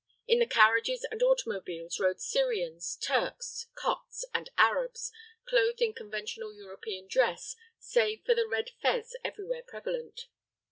In the carriages and automobiles rode Syrians, Turks, Copts and Arabs, clothed in conventional European dress, save for the red fez everywhere prevalent.